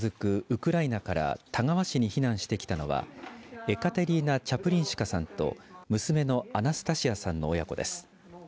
ウクライナから田川市に避難してきたのはエカテリーナ・チャプリンシカさんと娘のアナスタシアさんの親子です。